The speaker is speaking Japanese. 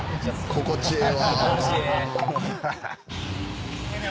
心地ええ。